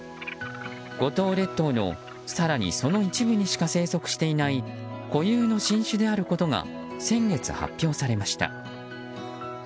五島列島の更にその一部にしか生息していない固有の新種であることが先月発表されました。